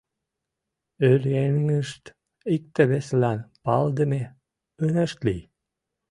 Оръеҥышт икте-весылан палыдыме ынышт лий.